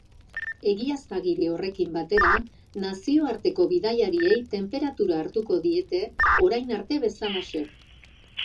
Egiaztagiri horrekin batera, nazioarteko bidaiariei tenperatura hartuko diete, orain arte bezalaxe.